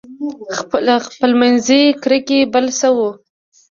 خپلمنځي کرکې بل څه وو.